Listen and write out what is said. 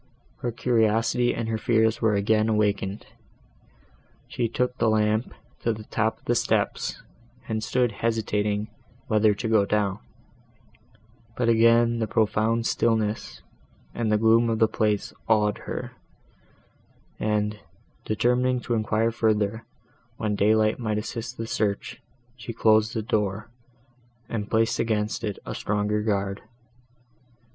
Her curiosity and her fears were again awakened. She took the lamp to the top of the steps, and stood hesitating whether to go down; but again the profound stillness and the gloom of the place awed her, and, determining to enquire further, when daylight might assist the search, she closed the door, and placed against it a stronger guard.